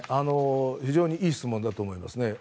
非常にいい質問だと思いますね。